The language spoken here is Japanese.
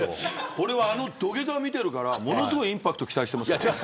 俺はあの土下座を見てるからものすごいインパクトを期待してます。